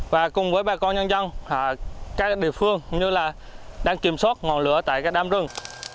và cùng với bà con nhân dân các địa phương cũng như là đang kiểm soát ngọn lửa tại các đám rừng